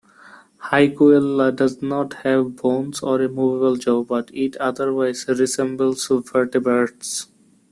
"Haikouella" does not have bones or a movable jaw, but it otherwise resembles vertebrates.